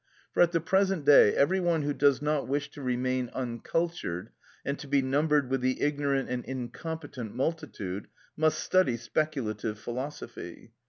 For at the present day every one who does not wish to remain uncultured, and to be numbered with the ignorant and incompetent multitude, must study speculative philosophy.